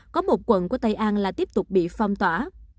có một quận của tây an lại tiếp tục bị phong tỏa